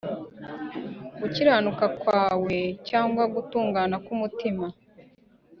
Gukiranuka kwawe m cyangwa gutungana k umutima